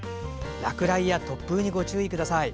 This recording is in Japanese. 落雷や突風にご注意ください。